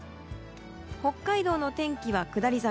北海道の天気は下り坂。